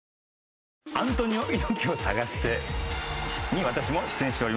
『アントニオ猪木をさがして』に私も出演しております。